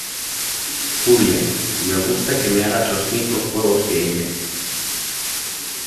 Julia, me gusta que me hagas los mismos juegos que ella.